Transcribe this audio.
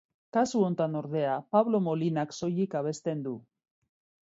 Kasu honetan ordea Pablo Molina soilik abesten du.